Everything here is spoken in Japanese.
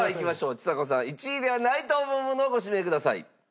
ちさ子さん１位ではないと思うものをご指名ください。